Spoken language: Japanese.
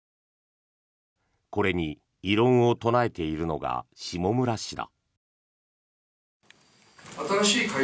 これに異論を唱えているのが下村氏だ。